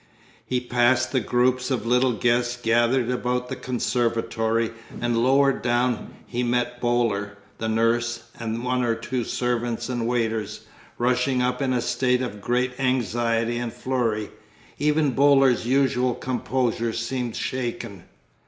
He passed the groups of little guests gathered about the conservatory, and lower down he met Boaler, the nurse, and one or two servants and waiters, rushing up in a state of great anxiety and flurry; even Boaler's usual composure seemed shaken.